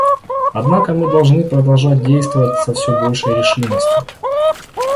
Однако мы должны продолжать действовать со все большей решимостью.